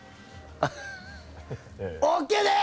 ＯＫです！